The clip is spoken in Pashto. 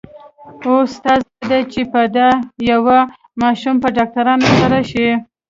اوس ستا زړه دی چې په دا يوه ماشوم په ډاکټرانو سر شې.